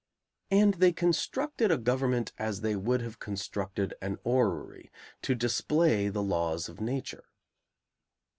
And they constructed a government as they would have constructed an orrery, to display the laws of nature.